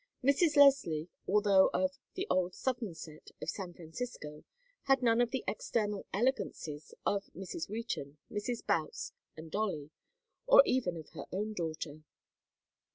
Mrs. Leslie, although of "the old Southern set" of San Francisco, had none of the external elegances of Mrs. Wheaton, Mrs. Boutts and Dolly, or even of her own daughter.